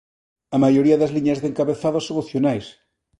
A maioría das liñas de encabezado son opcionais.